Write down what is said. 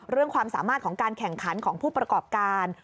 ความสามารถของการแข่งขันของผู้ประกอบการ